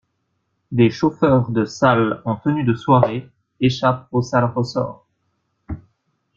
Des chauffeurs de salle en tenue de soirée échappent au sale ressort.